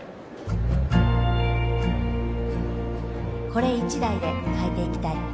これ一台で変えていきたい